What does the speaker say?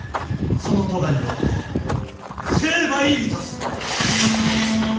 その咎によって成敗いたす！